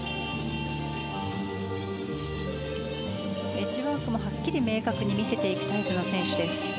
エッジワークもはっきり明確に見せていくタイプの選手です。